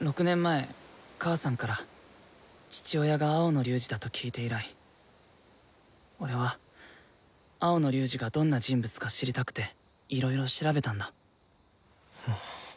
６年前母さんから父親が青野龍仁だと聞いて以来俺は青野龍仁がどんな人物か知りたくていろいろ調べたんだ。